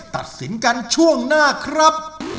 ตัดสินกันช่วงหน้าครับ